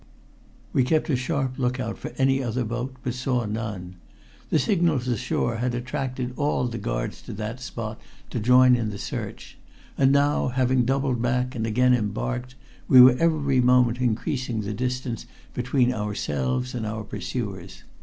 We kept a sharp look out for any other boat, but saw none. The signals ashore had attracted all the guards to that spot to join in the search, and now, having doubled back and again embarked, we were every moment increasing the distance between ourselves and our pursuers.